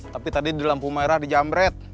tapi tadi di lampu merah dijamret